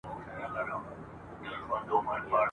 د سپوږمۍ کلي ته نه ورځي وګړي !.